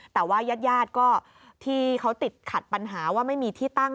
แต่ว่ายาดก็ที่เขาติดขัดปัญหาว่าไม่มีที่ตั้ง